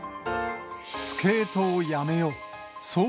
スケートをやめよう。